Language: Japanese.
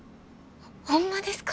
ホンマですか？